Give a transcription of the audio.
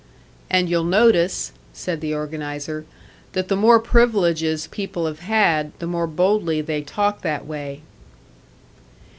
"And you'll notice," said the organiser, "that the more privileges people have had, the more boldly they talk that way."